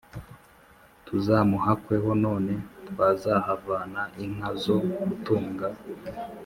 « tuzamuhakweho, none twazahavana inka zo gutunga»,